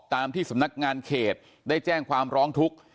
ตามที่สำนักงานเขตได้แจ้งความร้องทุกข์